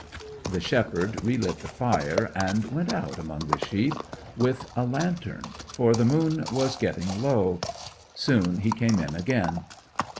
The shepherd relit the fire, and went out among the sheep with a lantern, for the moon was getting low. Soon he came in again.